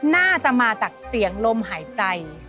น่าจะมาจากเสียงลมหายใจ